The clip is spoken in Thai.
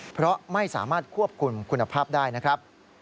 เพราะไม่สามารถควบคุมคุณภาพได้นะครับ